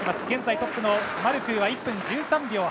現在トップのマルクーは１分１３秒８１。